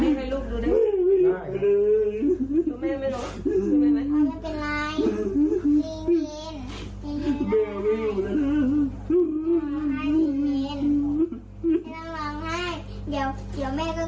ไม่ต้องร้องไห้เดี๋ยวเมนหัวกลับ